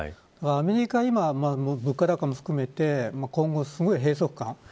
アメリカは今、物価高も含めて今後、すごい閉塞感